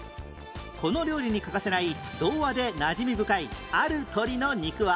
この料理に欠かせない童話でなじみ深いある鳥の肉は？